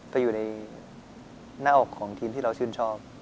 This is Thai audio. ไปอยู่ในหน้าอกของทีมที่เราชื่นชอบ